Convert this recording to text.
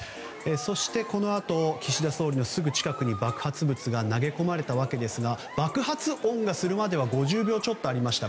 そしてこのあと岸田総理のすぐ近くに爆発物が投げ込まれたわけですが爆発音がするまで５０秒ちょっとありました。